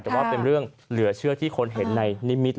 แต่ว่าเป็นเรื่องเหลือเชื่อที่คนเห็นในนิมิตร